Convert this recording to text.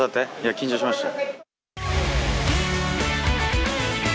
緊張しました。